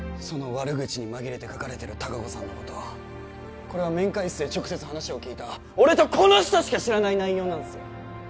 その悪口に紛れて書かれてる隆子さんのことこれは面会室で直接話を聞いた俺とこの人しか知らない内容なんすよ！